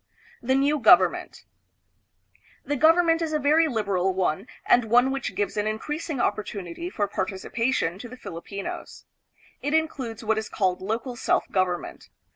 The New Government. The government is a very lib eral one, and one which gives an increasing opportunity for participation to the Filipinos. It includes what is called local self government.